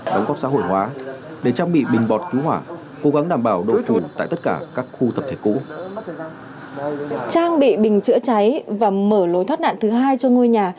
và mở lối thoát nạn thứ hai cho ngôi nhà